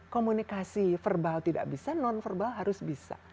komunikasi verbal tidak bisa non verbal harus bisa